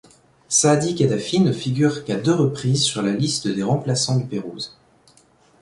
Saadi Kadhafi ne figure qu'à deux reprises sur la liste des remplaçants du Pérouse.